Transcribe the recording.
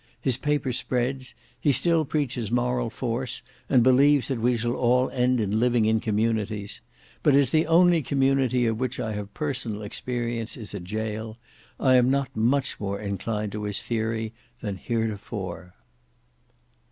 His paper spreads. He still preaches moral force, and believes that we shall all end in living in communities. But as the only community of which I have personal experience is a gaol, I am not much more inclined to his theory than heretofore."